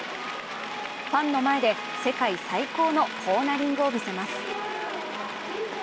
ファンの前で世界最高のコーナリングを見せます。